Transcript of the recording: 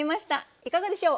いかがでしょう？